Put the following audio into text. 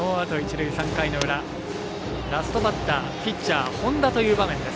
ラストバッターピッチャー、本田という場面です。